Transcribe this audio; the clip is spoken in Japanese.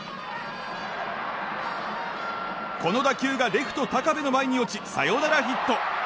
この打球がレフト高部の前に落ちサヨナラヒット。